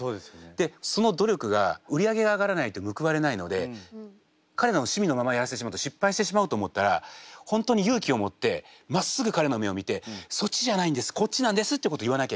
でその努力が売り上げが上がらないと報われないので彼の趣味のままやらせてしまうと失敗してしまうと思ったら本当に勇気を持ってまっすぐ彼の目を見てそっちじゃないんですこっちなんですってことを言わなきゃいけない。